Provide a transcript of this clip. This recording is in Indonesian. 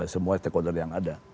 semua stakeholder yang ada